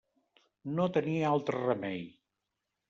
No tenia altre remei.